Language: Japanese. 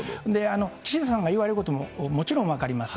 岸田さんが言われることももちろん分かります。